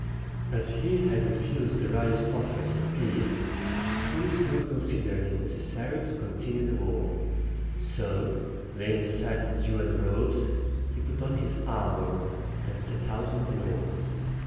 As he had refused Darius' offers of peace, he soon considered it necessary to continue the war: so, laying aside his jeweled robes, he put on his armor and set out for the north.